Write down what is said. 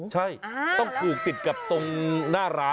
ใช่ต้องผูกติดกับตรงหน้าร้าน